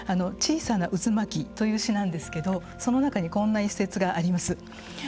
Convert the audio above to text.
「小さな渦巻」という詩なんですけどその中にこんな一節があります。